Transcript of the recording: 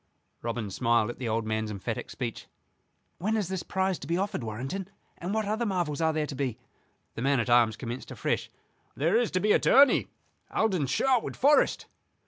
Robin smiled at the old man's emphatic speech. "When is this prize to be offered, Warrenton, and what other marvels are there to be?" The man at arms commenced afresh. "There is to be a tourney, held in Sherwood Forest."